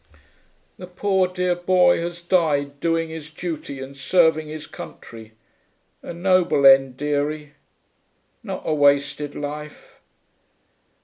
The poor dear boy has died doing his duty and serving his country ... a noble end, dearie ... not a wasted life....'